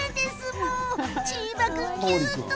チーバくん、キュート。